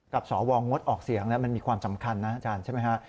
สวงดออกเสียงมันมีความสำคัญนะอาจารย์ใช่ไหมฮะ